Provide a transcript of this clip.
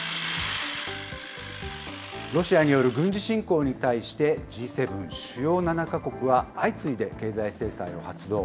ロシアによる軍事侵攻に対して、Ｇ７・主要７か国は相次いで経済制裁を発動。